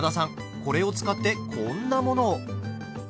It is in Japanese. これを使ってこんなものを。